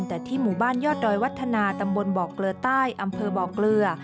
แต่ที่หมู่บ้านยอดดอยวัฒนาตำบลบ่อเกลือใต้อำเภอบ่อเกลือ